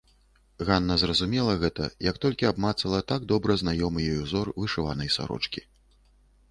Ганна зразумела гэта, як толькі абмацала так добра знаёмы ёй узор вышыванай сарочкі.